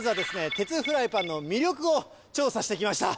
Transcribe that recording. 鉄フライパンの魅力を調査してきました！